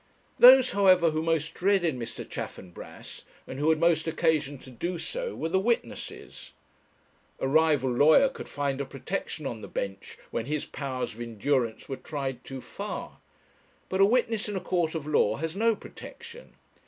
Those, however, who most dreaded Mr. Chaffanbrass, and who had most occasion to do so, were the witnesses. A rival lawyer could find a protection on the bench when his powers of endurance were tried too far; but a witness in a court of law has no protection.